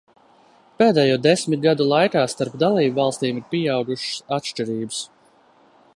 Pēdējo desmit gadu laikā starp dalībvalstīm ir pieaugušas atšķirības.